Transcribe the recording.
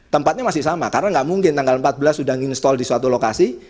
tempatnya masih sama karena nggak mungkin tanggal empat belas sudah menginstall di suatu lokasi